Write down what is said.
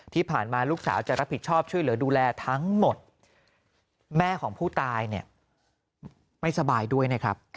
ที่ผ่านมาลูกสาวจะรับผิดชอบช่วยเหลือดูแลทั้งหมดแม่ของผู้ตายเนี่ยไม่สบายด้วยนะครับ